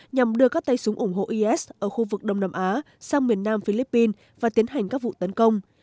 nhằm đưa các tay súng ủng hộ is ở khu vực đông nam á sang miền nam philippines và tiến hành các vụ tấn công